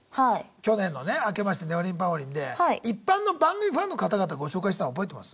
去年のね「あけましてねほりんぱほりん」で一般の番組ファンの方々ご紹介したの覚えてます？